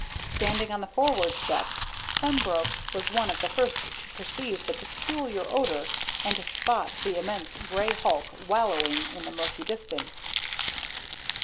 Standing on the forward deck, Pembroke was one of the first to perceive the peculiar odor and to spot the immense gray hulk wallowing in the murky distance.